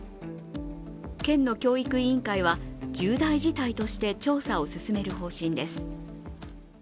県の教育委員会は、重大事態として調査を進める方針です。